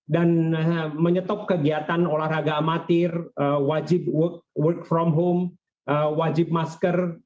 dan menyetop kegiatan olahraga amatir wajib work from home wajib masker